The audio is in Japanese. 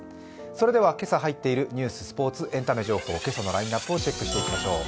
それでは今朝入っているニュース、スポーツ、エンタメ情報、今朝のラインナップをチェックしていきましょう。